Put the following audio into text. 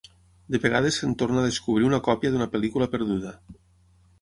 De vegades se'n torna a descobrir una còpia d'una pel·lícula perduda.